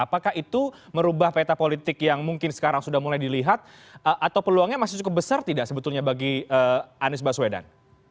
apakah itu merubah peta politik yang mungkin sekarang sudah mulai dilihat atau peluangnya masih cukup besar tidak sebetulnya bagi anies baswedan